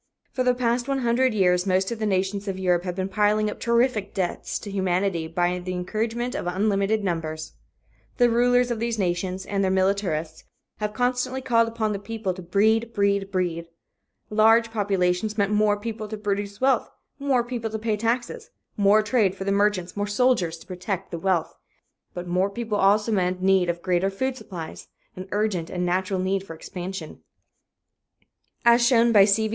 For the past one hundred years most of the nations of Europe have been piling up terrific debts to humanity by the encouragement of unlimited numbers. The rulers of these nations and their militarists have constantly called upon the people to breed, breed, breed! Large populations meant more people to produce wealth, more people to pay taxes, more trade for the merchants, more soldiers to protect the wealth. But more people also meant need of greater food supplies, an urgent and natural need for expansion. As shown by C.V.